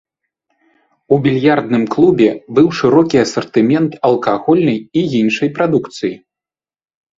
У більярдным клубе быў шырокі асартымент алкагольнай і іншай прадукцыі.